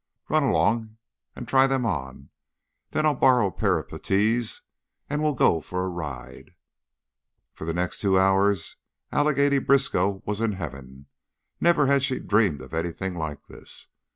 "Run along and try them on, then I'll borrow a pair of puttees and we'll go for a ride." For the next two hours Allegheny Briskow was in heaven. Never had she dreamed of anything like this.